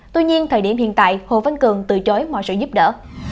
tuy nhiên thời điểm hiện tại hồ văn cường từ chối mọi sự giúp đỡ